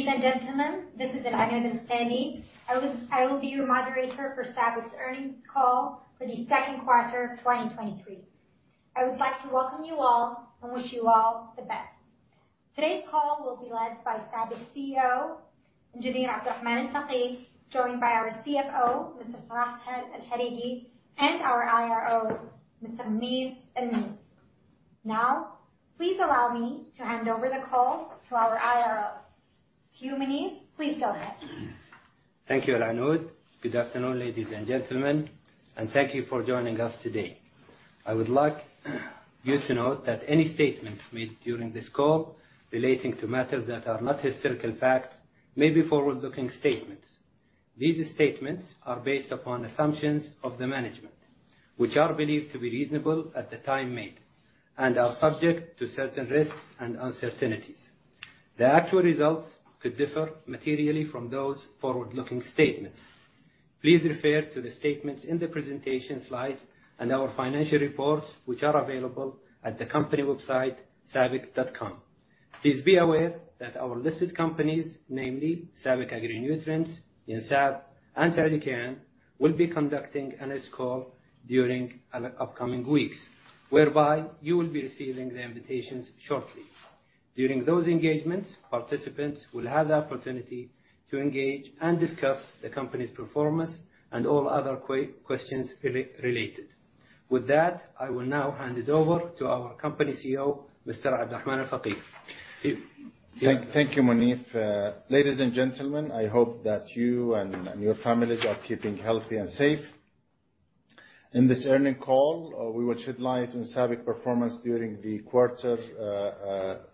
Ladies and gentlemen, this is Alanoud Alghifaili. I will be your moderator for SABIC's earnings call for the second quarter of 2023. I would like to welcome you all and wish you all the best. Today's call will be led by SABIC's CEO, Eng. Abdulrahman Al-Fageeh, joined by our CFO, Mr. Salah Al-Harigi, and our IRO, Mr. Moneef Almeeneef. Now, please allow me to hand over the call to our IRO. To you, Moneef, please go ahead. Thank you, Alanoud. Good afternoon, ladies and gentlemen, and thank you for joining us today. I would like you to note that any statements made during this call relating to matters that are not historical facts may be forward-looking statements. These statements are based upon assumptions of the management, which are believed to be reasonable at the time made and are subject to certain risks and uncertainties. The actual results could differ materially from those forward-looking statements. Please refer to the statements in the presentation slides and our financial reports, which are available at the company website, sabic.com. Please be aware that our listed companies, namely SABIC Agri-Nutrients, Nusaned, and Saudi Aramco, will be conducting an S call during upcoming weeks, whereby you will be receiving the invitations shortly. During those engagements, participants will have the opportunity to engage and discuss the company's performance and all other questions related. With that, I will now hand it over to our company CEO, Mr. Abdulrahman Al-Fageeh. Thank you, Moneef. Ladies and gentlemen, I hope that you and your families are keeping healthy and safe. In this earning call, we will shed light on SABIC performance during the quarter,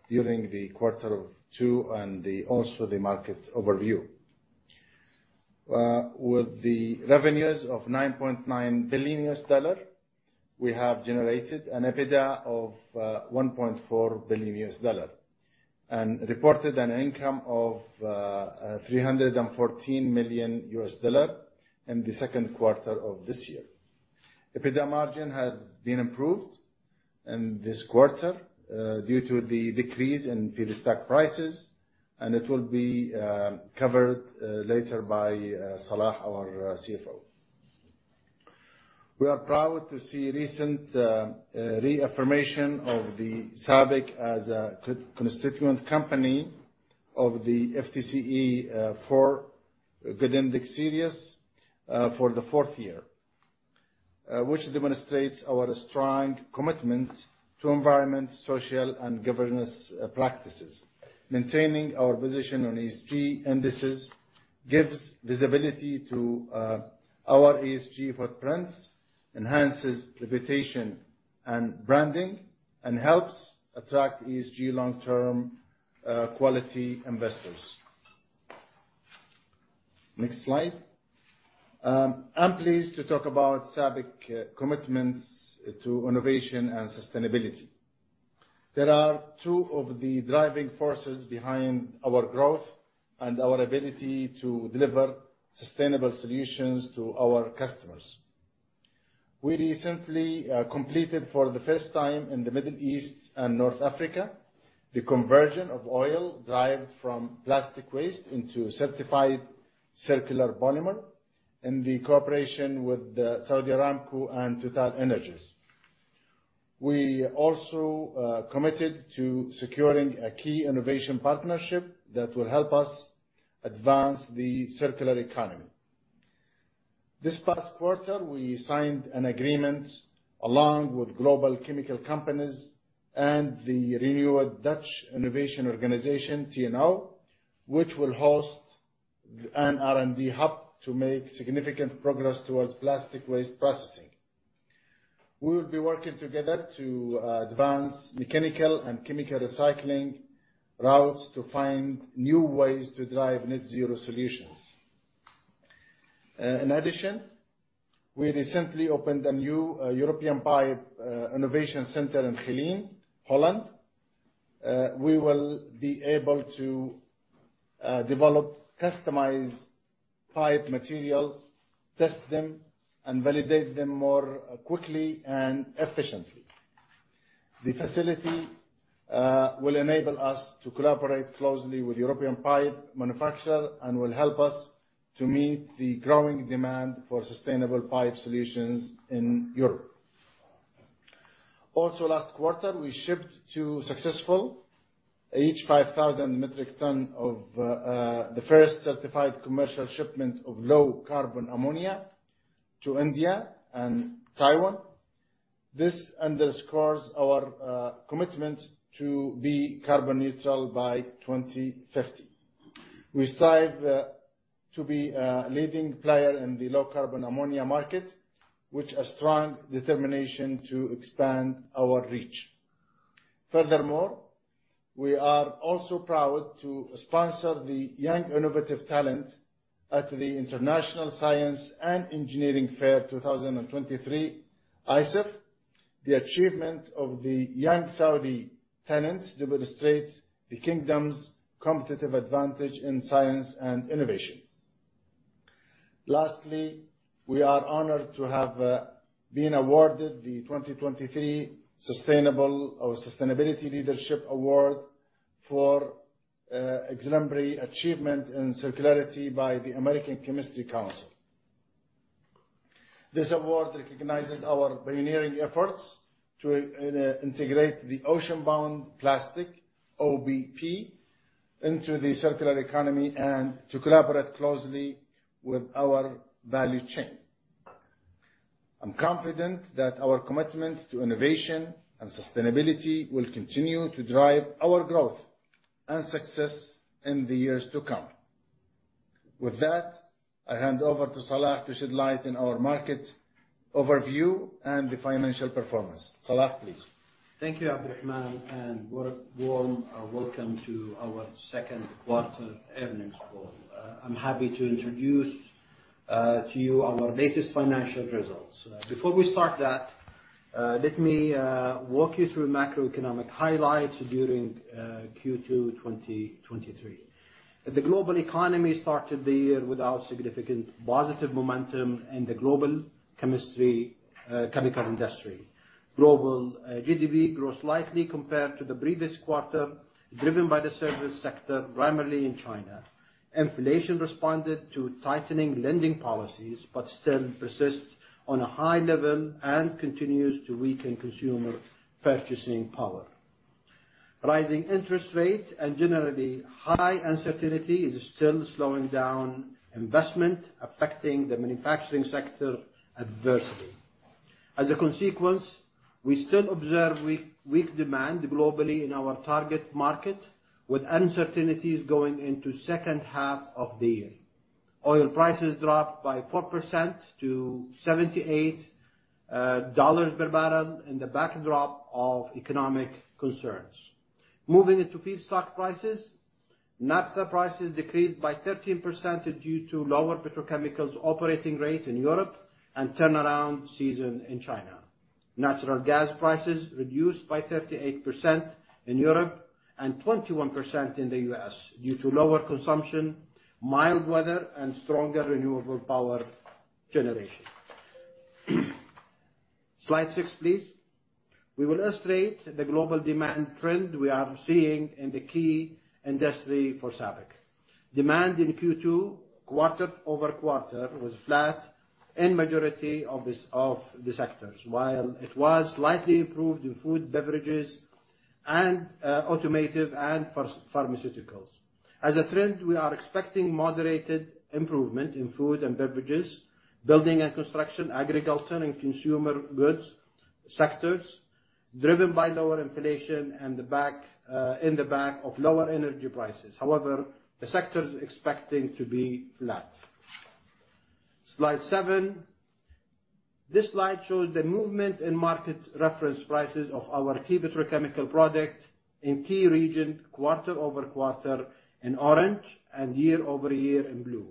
during the quarter two and the also the market overview. With the revenues of $9.9 billion, we have generated an EBITDA of $1.4 billion, and reported an income of $314 million in the second quarter of this year. EBITDA margin has been improved in this quarter due to the decrease in feedstock prices, and it will be covered later by Salah, our CFO. We are proud to see recent reaffirmation of the SABIC as a co-constituent company of the FTSE4Good Index Series for the fourth year, which demonstrates our strong commitment to environment, social, and governance practices. Maintaining our position on ESG indices gives visibility to our ESG footprints, enhances reputation and branding, and helps attract ESG long-term quality investors. Next slide. I'm pleased to talk about SABIC commitments to innovation and sustainability. There are two of the driving forces behind our growth and our ability to deliver sustainable solutions to our customers. We recently completed for the first time in the Middle East and North Africa, the conversion of oil derived from plastic waste into certified circular polymer, in the cooperation with the Saudi Aramco and TotalEnergies. We also committed to securing a key innovation partnership that will help us advance the circular economy. This past quarter, we signed an agreement, along with global chemical companies and the renewed Dutch innovation organization, TNO, which will host an R&D hub to make significant progress towards plastic waste processing. We will be working together to advance mechanical and chemical recycling routes to find new ways to drive net zero solutions. In addition, we recently opened a new European Pipe innovation center in Geleen, Holland. We will be able to develop customized pipe materials, test them, and validate them more quickly and efficiently. The facility will enable us to collaborate closely with European pipe manufacturer and will help us to meet the growing demand for sustainable pipe solutions in Europe. Last quarter, we shipped 2 successful, each 5,000 metric tons of the first certified commercial shipment of low-carbon ammonia to India and Taiwan. This underscores our commitment to be carbon neutral by 2050. We strive to be a leading player in the low-carbon ammonia market, with a strong determination to expand our reach. Furthermore, we are also proud to sponsor the Young Innovative Talent at the International Science and Engineering Fair, 2023, ISEF. The achievement of the young Saudi talent demonstrates the Kingdom's competitive advantage in science and innovation. Lastly, we are honored to have been awarded the 2023 Sustainable or Sustainability Leadership Award for exemplary achievement in circularity by the American Chemistry Council. This award recognizes our pioneering efforts to integrate the ocean-bound plastic, OBP, into the circular economy and to collaborate closely with our value chain. I'm confident that our commitment to innovation and sustainability will continue to drive our growth and success in the years to come. With that, I hand over to Salah to shed light in our market overview and the financial performance. Salah, please. Thank you, Abdulrahman, what a warm welcome to our second quarter earnings call. I'm happy to introduce to you our latest financial results. Before we start that, let me walk you through macroeconomic highlights during Q2 2023. The global economy started the year without significant positive momentum in the global chemistry chemical industry. Global GDP grew slightly compared to the previous quarter, driven by the service sector, primarily in China. Inflation responded to tightening lending policies, but still persists on a high level and continues to weaken consumer purchasing power. Rising interest rates and generally high uncertainty is still slowing down investment, affecting the manufacturing sector adversely. As a consequence, we still observe weak demand globally in our target market, with uncertainties going into second half of the year. Oil prices dropped by 4% to $78 per barrel in the backdrop of economic concerns. Moving into feedstock prices, Naphtha prices decreased by 13% due to lower petrochemicals operating rates in Europe and turnaround season in China. Natural gas prices reduced by 38% in Europe and 21% in the US, due to lower consumption, mild weather, and stronger renewable power generation. Slide 6, please. We will illustrate the global demand trend we are seeing in the key industry for SABIC. Demand in Q2, quarter-over-quarter, was flat in majority of the, of the sectors, while it was slightly improved in food, beverages, and automotive and pharmaceuticals. As a trend, we are expecting moderated improvement in food and beverages, building and construction, agriculture and consumer goods sectors, driven by lower inflation and in the back of lower energy prices. However, the sector is expecting to be flat. Slide 7. This slide shows the movement in market reference prices of our key petrochemical product in key region, quarter-over-quarter in orange and year-over-year in blue.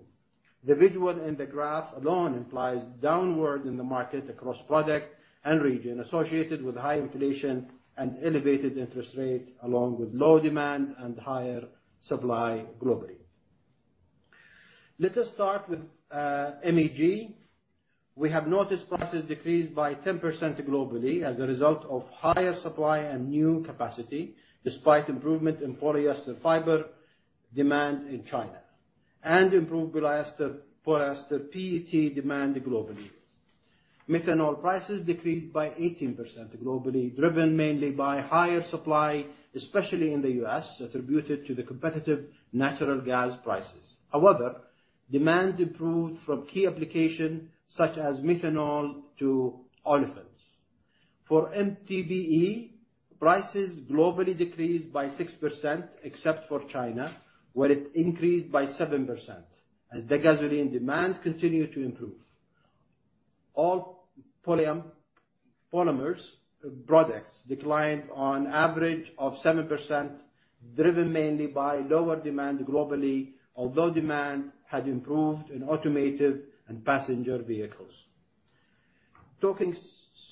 The visual in the graph alone implies downward in the market across product and region, associated with high inflation and elevated interest rates, along with low demand and higher supply globally. Let us start with MEG. We have noticed prices decreased by 10% globally as a result of higher supply and new capacity, despite improvement in polyester fiber demand in China and improved polyester PET demand globally. Methanol prices decreased by 18% globally, driven mainly by higher supply, especially in the US, attributed to the competitive natural gas prices. However, demand improved from key application, such as methanol-to-olefins. For MTBE, prices globally decreased by 6%, except for China, where it increased by 7% as the gasoline demand continued to improve. All polymers products declined on average of 7%, driven mainly by lower demand globally, although demand has improved in automotive and passenger vehicles. Talking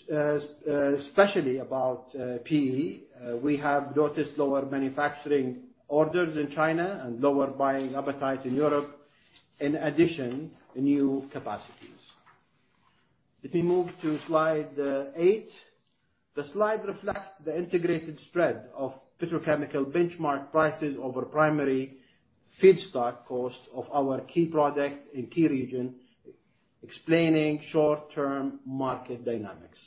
especially about PE, we have noticed lower manufacturing orders in China and lower buying appetite in Europe, in addition, new capacities. Let me move to slide 8. The slide reflects the integrated spread of petrochemical benchmark prices over primary feedstock cost of our key product in key region, explaining short-term market dynamics.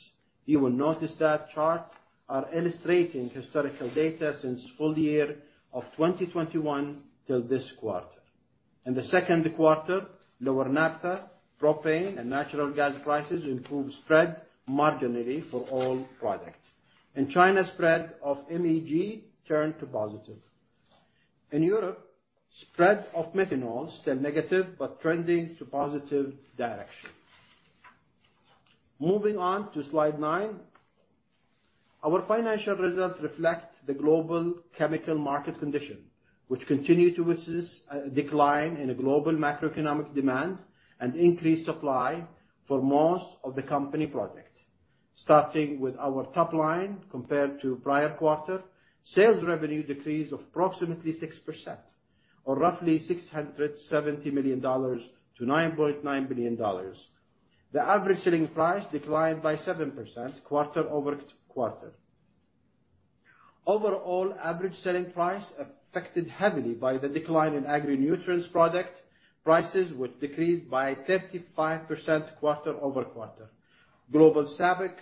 You will notice that chart are illustrating historical data since full year of 2021 till this quarter. In the second quarter, lower naphtha, propane and natural gas prices improved spread marginally for all products. In China, spread of MEG turned to positive. In Europe, spread of methanol stayed negative, trending to positive direction. Moving on to slide 9. Our financial results reflect the global chemical market condition, which continue to witness a decline in global macroeconomic demand and increased supply for most of the company product. Starting with our top line compared to prior quarter, sales revenue decreased of approximately 6%, or roughly $670 million to $9.9 billion. The average selling price declined by 7% quarter-over-quarter. Overall, average selling price affected heavily by the decline in agri-nutrients product. Prices, which decreased by 35% quarter-over-quarter. Global SABIC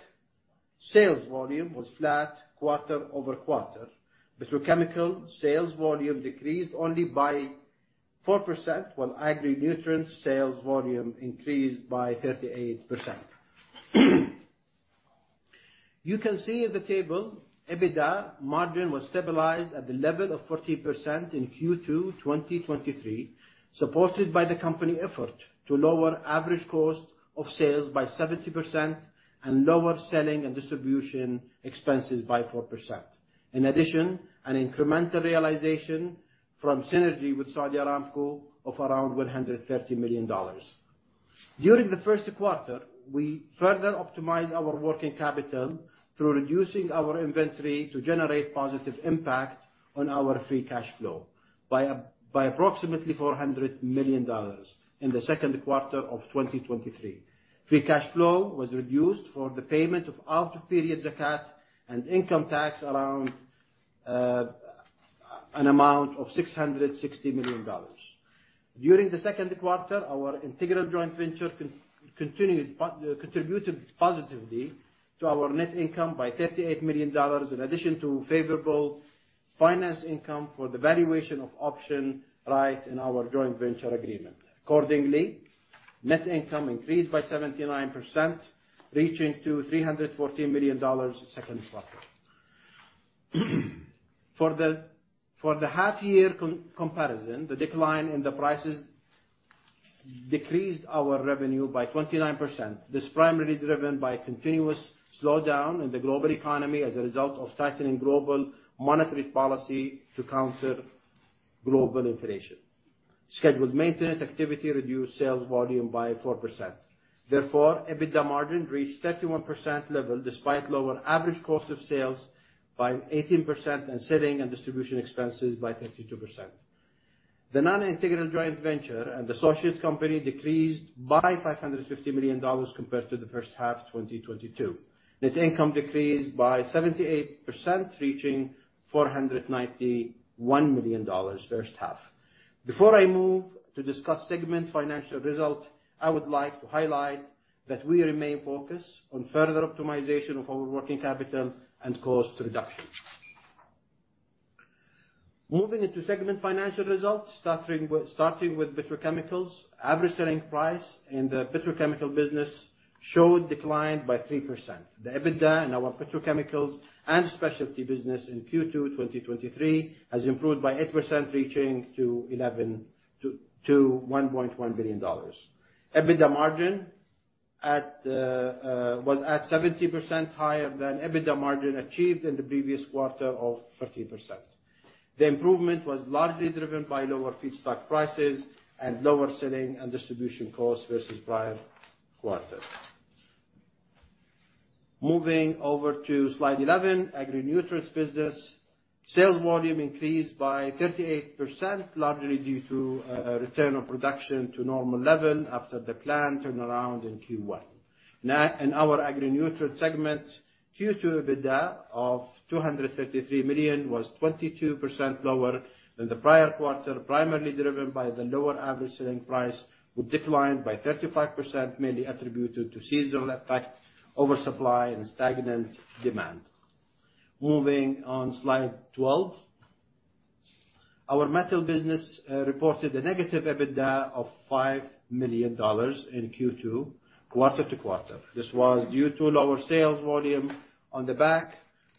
sales volume was flat quarter-over-quarter. Petrochemical sales volume decreased only by 4%, while agri-nutrient sales volume increased by 38%. You can see in the table, EBITDA margin was stabilized at the level of 40% in Q2 2023, supported by the company effort to lower average cost of sales by 70% and lower selling and distribution expenses by 4%. In addition, an incremental realization from synergy with Saudi Aramco of around $130 million. During the first quarter, we further optimized our working capital through reducing our inventory to generate positive impact on our free cash flow by approximately $400 million in the 2nd quarter of 2023. Free cash flow was reduced for the payment of out-of-period Zakat and income tax around an amount of $660 million. During the second quarter, our integral joint venture continued, contributed positively to our net income by $38 million, in addition to favorable finance income for the valuation of option right in our joint venture agreement. Accordingly, net income increased by 79%, reaching to $314 million second quarter. For the half year comparison, the decline in the prices decreased our revenue by 29%. This primarily driven by a continuous slowdown in the global economy as a result of tightening global monetary policy to counter global inflation. Scheduled maintenance activity reduced sales volume by 4%. Therefore, EBITDA margin reached 31% level, despite lower average cost of sales by 18% and selling and distribution expenses by 32%. The non-integral joint venture and associates company decreased by $550 million compared to the first half of 2022. Net income decreased by 78%, reaching $491 million first half. Before I move to discuss segment financial results, I would like to highlight that we remain focused on further optimization of our working capital and cost reduction. Moving into segment financial results, starting with petrochemicals. Average selling price in the petrochemical business showed decline by 3%. The EBITDA in our petrochemicals and specialty business in Q2 2023 has improved by 8%, reaching $1.1 billion. EBITDA margin at the was at 70% higher than EBITDA margin achieved in the previous quarter of 13%. The improvement was largely driven by lower feedstock prices and lower selling and distribution costs versus prior quarter. Moving over to slide 11, Agri-Nutrients business. Sales volume increased by 38%, largely due to return of production to normal level after the plant turnaround in Q1. Now, in our Agri-Nutrients segment, Q2 EBITDA of $233 million was 22% lower than the prior quarter, primarily driven by the lower average selling price, which declined by 35%, mainly attributed to seasonal effect, oversupply, and stagnant demand. Moving on slide 12. Our Metal business reported a negative EBITDA of $5 million in Q2, quarter to quarter. This was due to lower sales volume on the back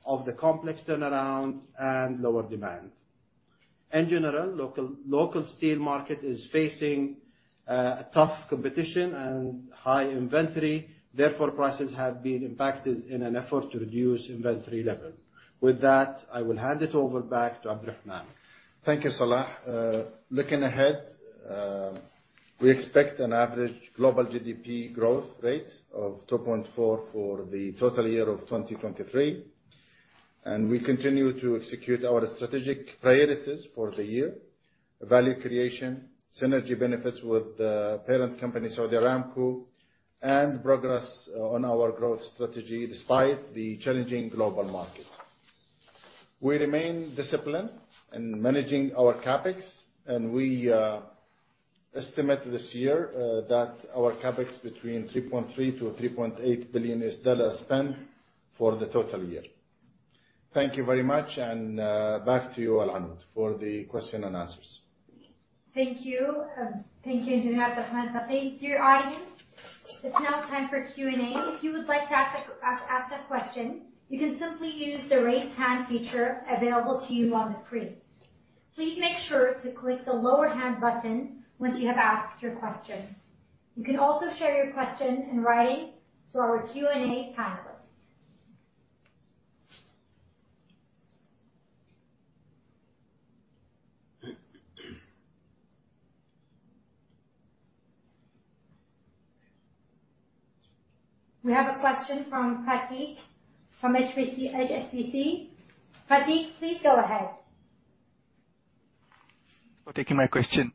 of the complex turnaround and lower demand. In general, local steel market is facing a tough competition and high inventory, therefore, prices have been impacted in an effort to reduce inventory level. With that, I will hand it over back to Abdulrahman. Thank you, Salah. Looking ahead, we expect an average global GDP growth rate of 2.4 for the total year of 2023, and we continue to execute our strategic priorities for the year. Value creation, synergy benefits with the parent company, Saudi Aramco, and progress on our growth strategy, despite the challenging global market. We remain disciplined in managing our CapEx, and we estimate this year that our CapEx between $3.3 billion-$3.8 billion spent for the total year. Thank you very much, and back to you, Al Anoud, for the question and answers. Thank you. Thank you, Engineer Abdulrahman. Dear audience, it's now time for Q&A. If you would like to ask a question, you can simply use the Raise Hand feature available to you on the screen. Please make sure to click the Lower Hand button once you have asked your question. You can also share your question in writing to our Q&A panelist. We have a question from Pratik from HSBC, HSBC. Pratik, please go ahead. For taking my question.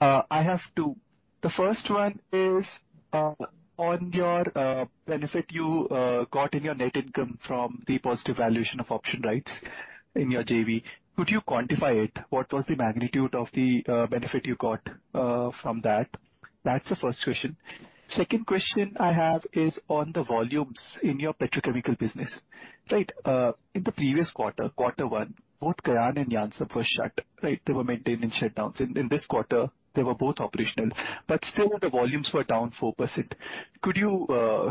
I have two. The first one is on your benefit you got in your net income from the positive valuation of option rights in your JV. Could you quantify it? What was the magnitude of the benefit you got from that? That's the first question. Second question I have is on the volumes in your petrochemical business, right? In the previous quarter, quarter one, both Kayan and YANSAB were shut, right? They were maintained in shutdowns. In this quarter, they were both operational, but still the volumes were down 4%. Could you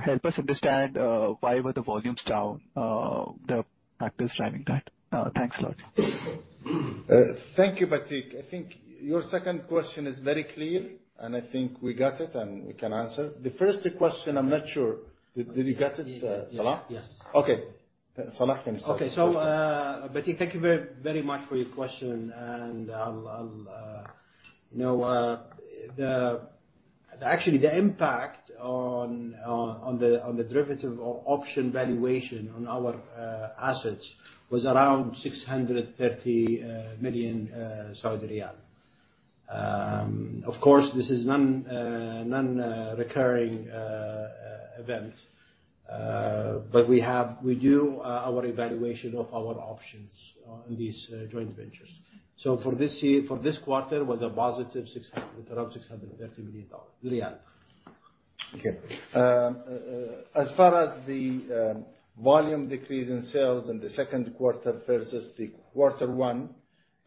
help us understand why were the volumes down? The factors driving that. Thanks a lot. Thank you, Pratik. I think your second question is very clear, and I think we got it, and we can answer. The first question, I'm not sure. Did you get it, Salah? Yes. Okay. Salah can start. Pratik, thank you very, very much for your question, and I'll, I'll... You know, actually, the impact on, on, on the, on the derivative of option valuation on our assets was around 630 million Saudi riyal. Of course, this is non recurring event. But we have - we do our evaluation of our options on these joint ventures. So for this year, for this quarter, was a positive 600, around 630 million dollars, riyal. Okay. As far as the volume decrease in sales in the second quarter versus the quarter one,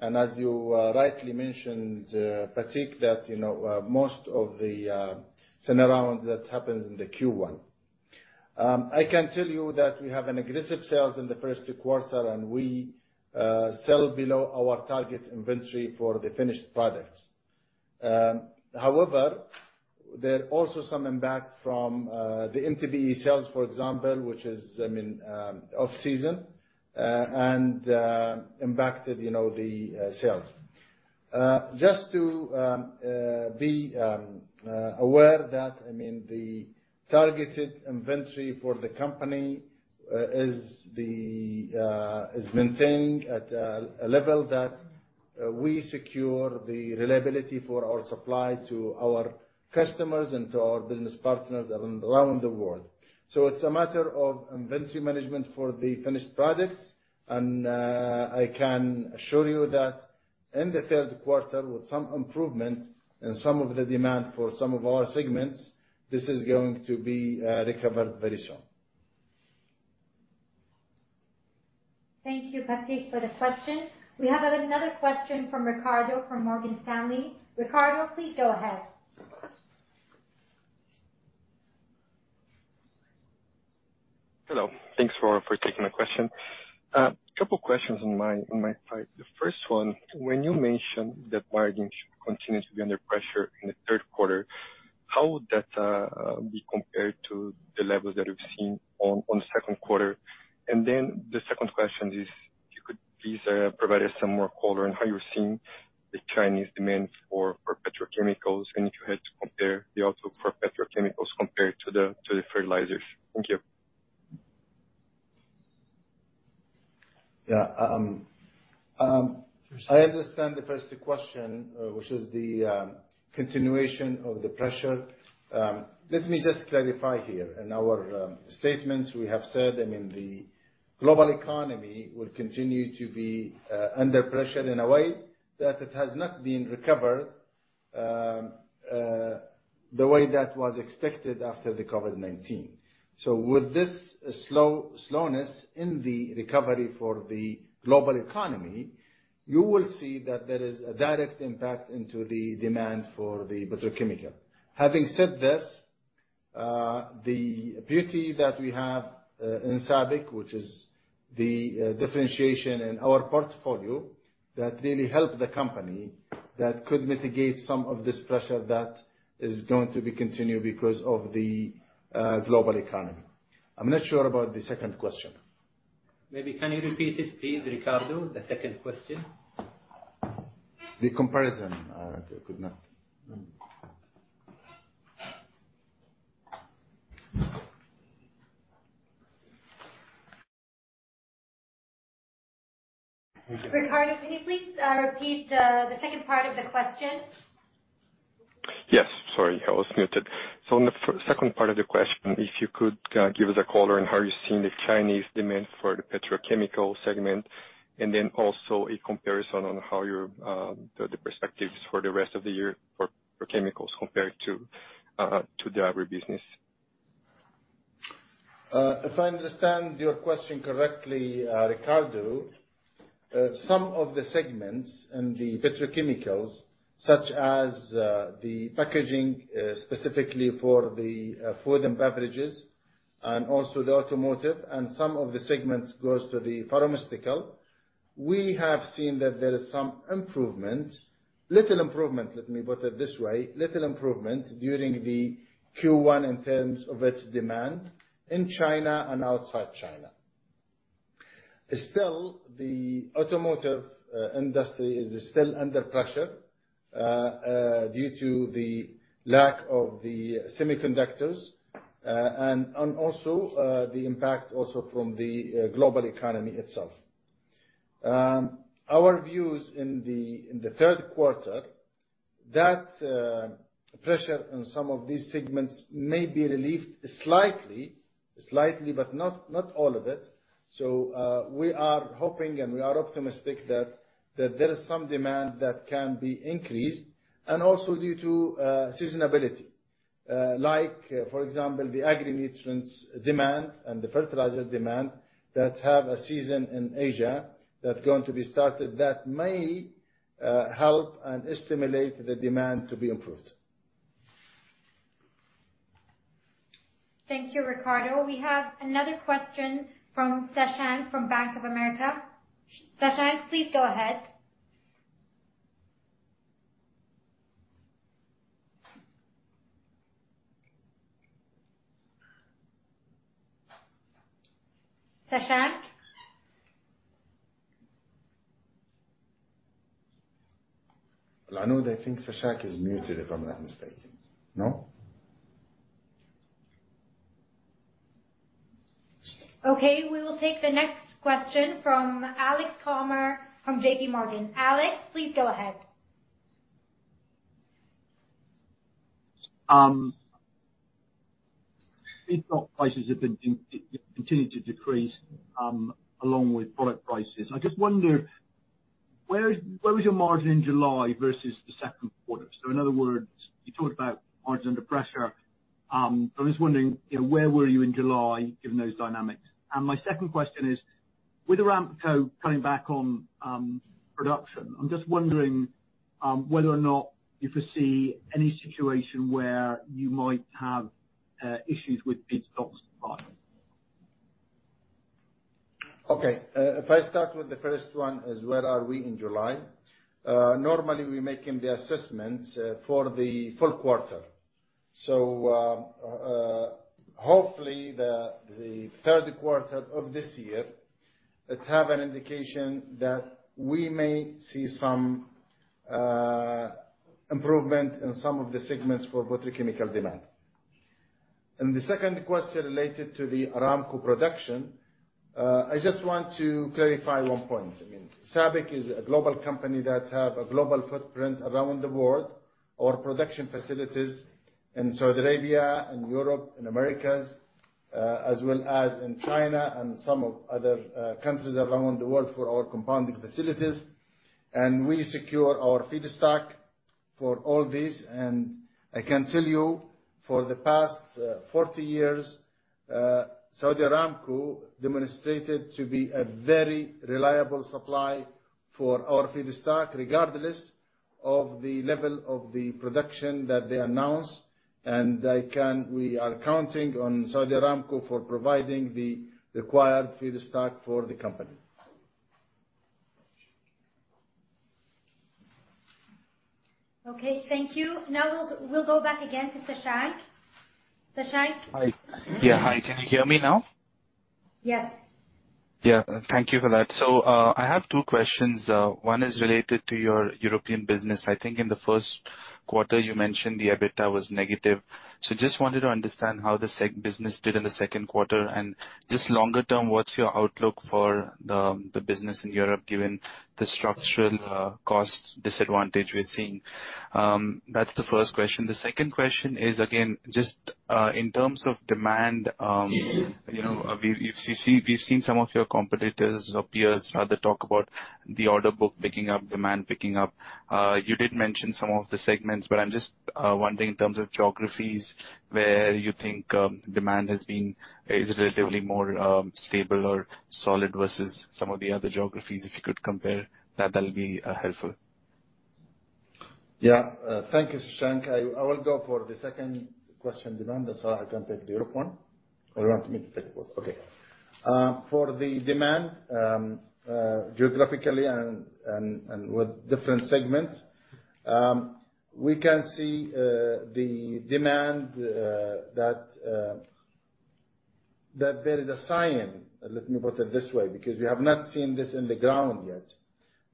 and as you rightly mentioned, Pratik, that, you know, most of the turnarounds that happens in the Q1. I can tell you that we have an aggressive sales in the first quarter, and we sell below our target inventory for the finished products. However, there are also some impact from the MTBE sales, for example, which is, I mean, off season, and impacted, you know, the sales. Just to be aware that, I mean, the targeted inventory for the company is maintaining at a level that we secure the reliability for our supply to our customers and to our business partners around the world. It's a matter of inventory management for the finished products, and I can assure you that in the third quarter, with some improvement in some of the demand for some of our segments, this is going to be recovered very soon. Thank you, Pratik, for the question. We have another question from Ricardo, from Morgan Stanley. Ricardo, please go ahead. Hello. Thanks for, for taking the question. A couple questions on my, on my part. The first one, when you mentioned that margins continue to be under pressure in the third quarter, how would that be compared to the levels that we've seen on, on the second quarter? The second question is, if you could please provide us some more color on how you're seeing the Chinese demand for, for petrochemicals, and if you had to compare the outlook for petrochemicals compared to the, to the fertilizers. Thank you. Yeah. I understand the first question, which is the continuation of the pressure. Let me just clarify here. In our statements, we have said, I mean, the global economy will continue to be under pressure in a way that it has not been recovered, the way that was expected after the COVID-19. With this slow, slowness in the recovery for the global economy, you will see that there is a direct impact into the demand for the petrochemical. Having said this, the beauty that we have in SABIC, which is the differentiation in our portfolio, that really helped the company, that could mitigate some of this pressure that is going to be continued because of the global economy. I'm not sure about the second question. Maybe can you repeat it, please, Ricardo, the second question? The comparison, I could not. Ricardo, can you please repeat the second part of the question? Yes. Sorry, I was muted. On the second part of the question, if you could give us a color on how you're seeing the Chinese demand for the petrochemical segment, and then also a comparison on how your, the, the perspectives for the rest of the year for, for chemicals compared to, to the other business. If I understand your question correctly, Ricardo, some of the segments in the petrochemicals, such as the packaging, specifically for the food and beverages, and also the automotive and some of the segments goes to the pharmaceutical. We have seen that there is some improvement, little improvement, let me put it this way, little improvement during the Q1 in terms of its demand in China and outside China. Still, the automotive industry is still under pressure due to the lack of the semiconductors, and also the impact also from the global economy itself. Our views in the third quarter, that pressure on some of these segments may be relieved slightly, slightly, but not, not all of it. We are hoping, and we are optimistic that, that there is some demand that can be increased, and also due to seasonability. Like for example, the agri-nutrients demand and the fertilizer demand, that have a season in Asia that's going to be started, that may help and stimulate the demand to be improved. Thank you, Ricardo. We have another question from Shashank, from Bank of America. Shashank, please go ahead. Shashank? Anoud, I think Shashank is muted, if I'm not mistaken. No? Okay, we will take the next question from Alex R. Comer, from J.P. Morgan. Alex, please go ahead. Feedstock prices have been continue to decrease along with product prices. I just wonder, where was your margin in July versus the second quarter? In other words, you talked about margins under pressure. I'm just wondering, you know, where were you in July, given those dynamics? And my second question is: with Aramco cutting back on production, I'm just wondering, whether or not you foresee any situation where you might have issues with feedstocks supply? Okay. If I start with the first one, is where are we in July? Normally, we're making the assessments for the full quarter. Hopefully, the third quarter of this year, it have an indication that we may see some improvement in some of the segments for petrochemical demand. The second question related to the Aramco production, I just want to clarify one point. I mean, SABIC is a global company that have a global footprint around the world. Our production facilities in Saudi Arabia and Europe and Americas, as well as in China and some of other countries around the world for our compounding facilities. We secure our feedstock for all these. I can tell you, for the past, 40 years, Saudi Aramco demonstrated to be a very reliable supply for our feedstock, regardless of the level of the production that they announce. We are counting on Saudi Aramco for providing the required feedstock for the company. Okay, thank you. We'll go back again to Shashank. Shashank? Hi. Yeah, hi, can you hear me now? Yes. Yeah, thank you for that. I have two questions. One is related to your European business. I think in the first quarter, you mentioned the EBITDA was negative. Just wanted to understand how the seg business did in the second quarter, and just longer term, what's your outlook for the business in Europe, given the structural cost disadvantage we're seeing? That's the first question. The second question is, again, just in terms of demand, you know, we've seen some of your competitors or peers, rather, talk about the order book picking up, demand picking up. You did mention some of the segments, but I'm just wondering in terms of geographies, where you think demand has been, is relatively more stable or solid versus some of the other geographies. If you could compare that, that'll be helpful. Yeah. thank you, Shashank. I, I will go for the second question, demand, so I can take the Europe one. You want me to take both? Okay. for the demand, geographically and, and, and with different segments, we can see the demand, that, that there is a sign, let me put it this way, because we have not seen this in the ground yet.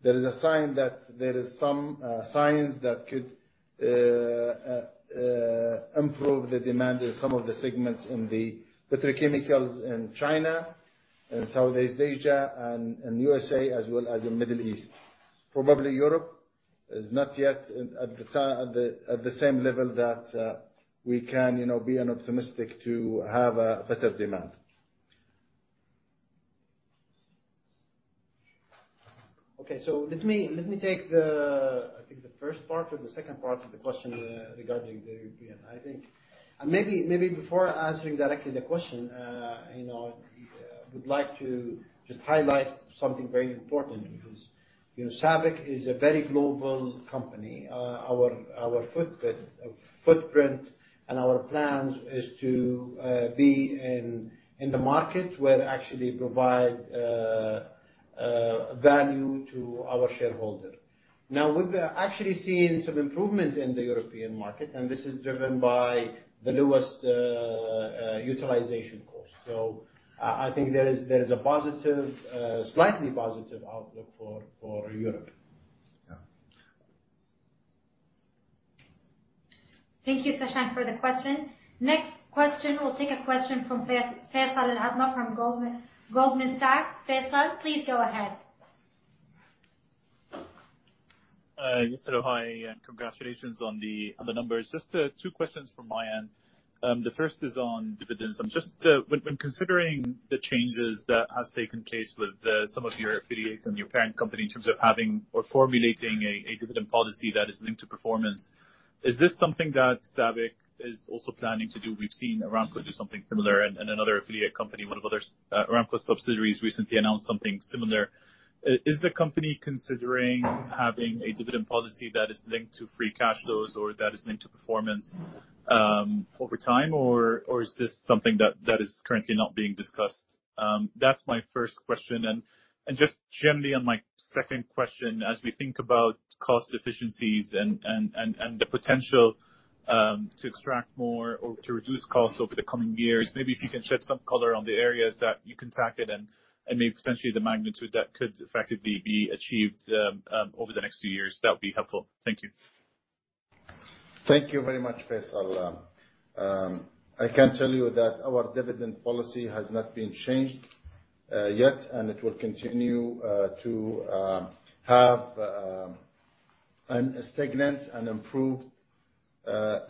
There is a sign that there is some, signs that could, improve the demand in some of the segments in the petrochemicals in China and Southeast Asia and, and USA, as well as in Middle East. Probably Europe is not yet at the, at the same level that, we can, you know, be an optimistic to have a better demand. Let me, let me take the, I think the first part or the second part of the question, regarding the European. I think... Maybe, maybe before answering directly the question, you know, I would like to just highlight something very important because, you know, SABIC is a very global company. Our, our footprint, footprint and our plans is to, be in, in the market, where actually provide, value to our shareholder. We've, actually seen some improvement in the European market, and this is driven by the lowest, utilization cost. I, I think there is, there is a positive, slightly positive outlook for, for Europe. Yeah. Thank you, Sashank, for the question. Next question, we'll take a question from Faisal Alazmeh from Goldman Sachs. Faysal, please go ahead. Yes, hello, hi, and congratulations on the numbers. Just 2 questions from my end. The first is on dividends. Just when considering the changes that has taken place with some of your affiliates and your parent company in terms of having or formulating a dividend policy that is linked to performance, is this something that SABIC is also planning to do? We've seen Aramco do something similar and another affiliate company, one of other Aramco's subsidiaries recently announced something similar. Is the company considering having a dividend policy that is linked to free cash flows or that is linked to performance over time? Is this something that is currently not being discussed? That's my first question. Just generally on my second question, as we think about cost efficiencies and the potential to extract more or to reduce costs over the coming years, maybe if you can shed some color on the areas that you can tackle and maybe potentially the magnitude that could effectively be achieved over the next few years, that would be helpful. Thank you. Thank you very much, Faysal. I can tell you that our dividend policy has not been changed yet, and it will continue to have an stagnant and improved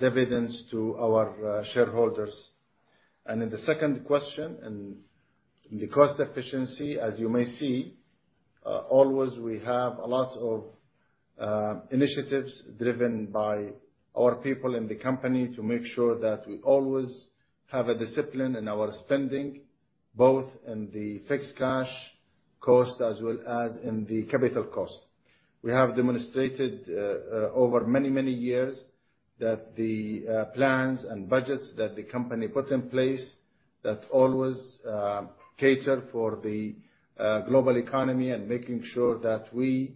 dividends to our shareholders. The second question in, in the cost efficiency, as you may see, always, we have a lot of initiatives driven by our people in the company to make sure that we always have a discipline in our spending, both in the fixed cash cost as well as in the capital cost. We have demonstrated over many, many years that the plans and budgets that the company put in place, that always cater for the global economy and making sure that we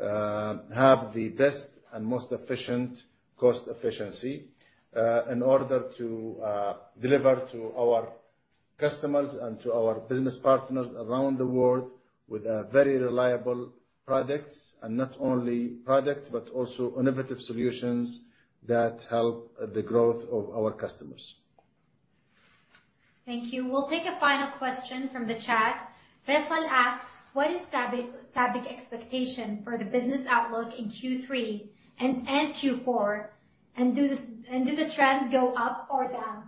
have the best and most efficient cost efficiency in order to deliver to our customers and to our business partners around the world with a very reliable products, and not only products, but also innovative solutions that help the growth of our customers. Thank you. We'll take a final question from the chat. Faysal asks: What is SABIC, SABIC expectation for the business outlook in Q3 and in Q4, and do the trends go up or down?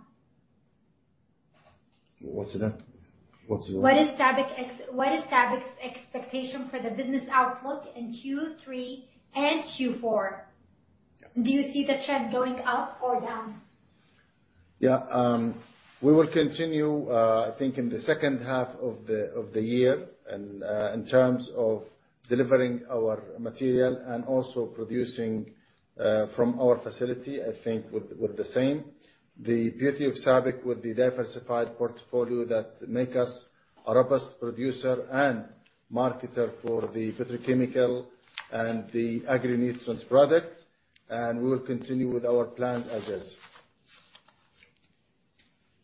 What's it again? What's the- What is SABIC's expectation for the business outlook in Q3 and Q4? Yeah. Do you see the trend going up or down? Yeah. We will continue, I think in the second half of the year, and in terms of delivering our material and also producing, from our facility, I think with, with the same. The beauty of SABIC with the diversified portfolio that make us a robust producer and marketer for the petrochemical and the agri nutrients products, and we will continue with our plan as is.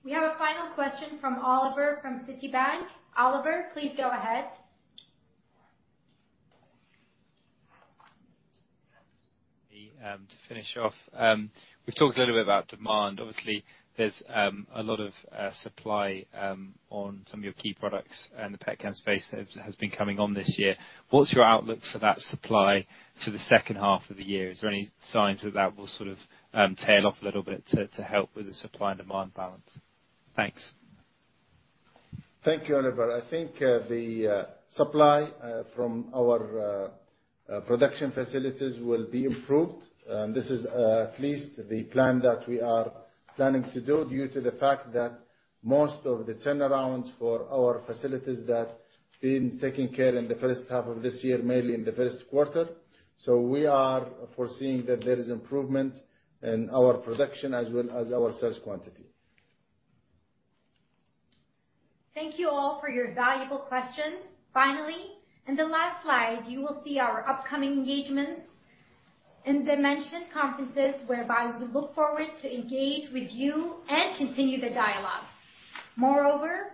We have a final question from Oliver, from Citibank. Oliver, please go ahead. To finish off, we've talked a little bit about demand. Obviously, there's a lot of supply on some of your key products, and the petrochem space has, has been coming on this year. What's your outlook for that supply for the second half of the year? Is there any signs that, that will sort of tail off a little bit to, to help with the supply and demand balance? Thanks. Thank you, Oliver. I think the supply from our production facilities will be improved. This is at least the plan that we are planning to do, due to the fact that most of the turnarounds for our facilities that have been taking care in the first half of this year, mainly in the first quarter. We are foreseeing that there is improvement in our production as well as our sales quantity. Thank you all for your valuable questions. Finally, in the last slide, you will see our upcoming engagements in the mentioned conferences, whereby we look forward to engage with you and continue the dialogue. Moreover,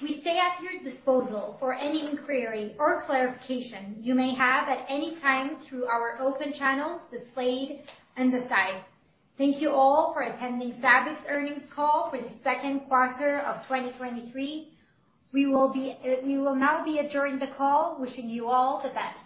we stay at your disposal for any inquiry or clarification you may have at any time through our open channels displayed on the side. Thank you all for attending SABIC's earnings call for the second quarter of 2023. We will now be adjourning the call, wishing you all the best.